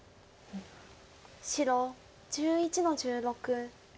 白１１の十六。